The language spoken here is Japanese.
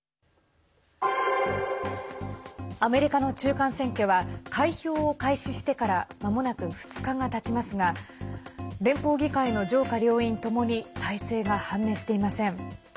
アメリカの中間選挙は開票を開始してからまもなく２日がたちますが連邦議会の上下両院ともに大勢が判明していません。